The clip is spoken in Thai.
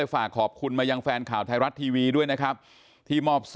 สื่อ